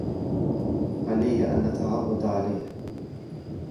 علي أن أتعود عليه.